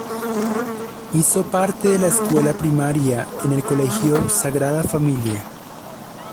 Hizo parte de la escuela primaria en el Colegio Sagrada Familia.